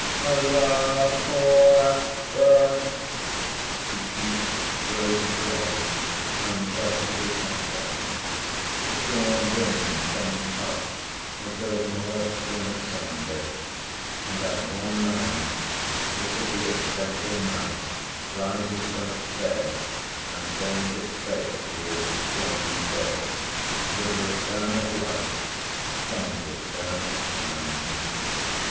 Allah ho Akbar!’ The east grows gray, and presently saffron; the dawn wind comes up as though the Muezzin had summoned it; and, as one man, the City of Dreadful Night rises from its bed and turns its face towards the dawning day. With return of life comes return of sound.